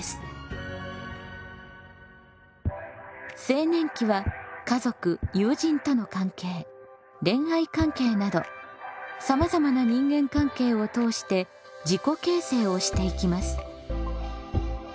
青年期は家族友人との関係恋愛関係などさまざまな人間関係を通して「自己形成」をしていきます。